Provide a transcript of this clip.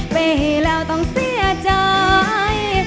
ปีแล้วต้องเสียใจ